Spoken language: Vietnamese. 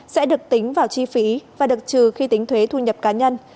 sẽ được tính vào chi phí và được trừ khi tính thuế thu nhập cá nhân